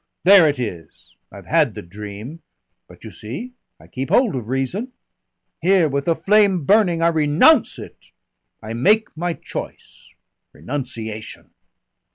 There it is! I've had the dream, but you see I keep hold of reason. Here, with the flame burning, I renounce it. I make my choice.... Renunciation!